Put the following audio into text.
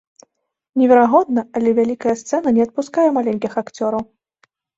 Неверагодна, але вялікая сцэна не адпускае маленькіх акцёраў.